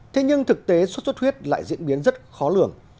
thế nhưng thực tế suốt suốt huyết lại diễn biến rất khó lường